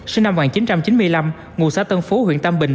sinh năm một nghìn chín trăm chín mươi năm ngụ xã tân phú huyện tam bình